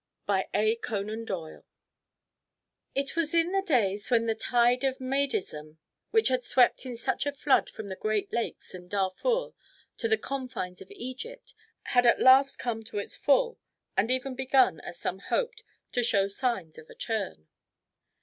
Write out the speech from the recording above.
I. IT was in the days when the tide of Mahdism, which had swept in such a flood from the Great Lakes and Darfur to the confines of Egypt, had at last come to its full, and even begun, as some hoped, to show signs of a turn.